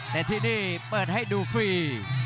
แต่ที่นี่เปิดให้ดูฟรี